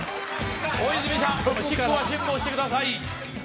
大泉さん、おしっこは辛抱してください。